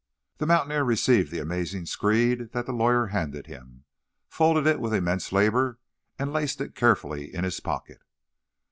The mountaineer received the amazing screed that the lawyer handed him, folded it with immense labour, and laced it carefully in his pocket.